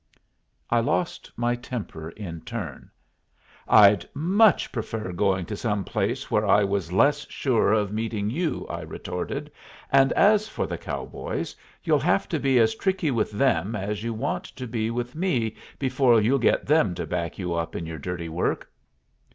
I lost my temper in turn. "I'd much prefer going to some place where I was less sure of meeting you," I retorted; "and as for the cowboys, you'll have to be as tricky with them as you want to be with me before you'll get them to back you up in your dirty work."